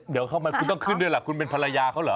เดี๋ยวเข้ามาคุณต้องขึ้นด้วยล่ะคุณเป็นภรรยาเขาเหรอ